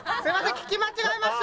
聞き間違えました。